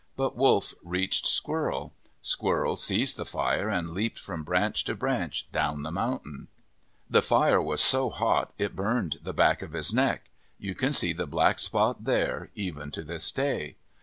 But Wolf reached Squirrel. Squirrel seized the fire and leaped from branch to branch down the mountain. The fire was so hot it burned the back of his neck. You can see the black spot there, even to this day.